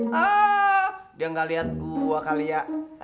haaa dia gak liat gua kali ya